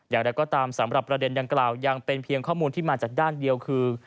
อย่างไรก็ตามสำหรับประเด็นดังกล่าวยังเป็นเพียงข้อมูลที่มาจากด้านเดียวคือ